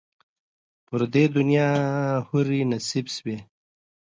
پر دې دنیا یې حوري نصیب سوې